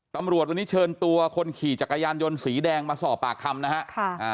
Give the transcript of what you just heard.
ตำรวจวันนี้เชิญตัวคนขี่จักรยานยนต์สีแดงมาสอบปากคำนะฮะค่ะอ่า